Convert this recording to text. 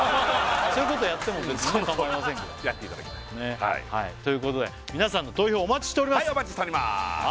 そういうことやっても別にかまいませんからやっていただきたいということでみなさんの投票お待ちしております